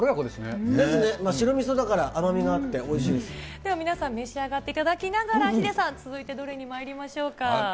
ですね、白みそだから、さあ、皆さん、召し上がっていただきながら、ヒデさん、続いてどれにまいりましょうか。